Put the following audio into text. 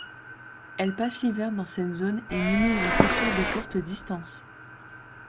Elle passe l'hiver dans cette zone et ne migre que sur de courtes distances.